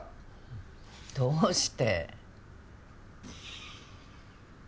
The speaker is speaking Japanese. どうして？